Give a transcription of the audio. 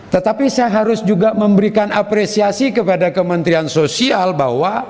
tetapi saya harus juga memberikan apresiasi kepada kementerian sosial bahwa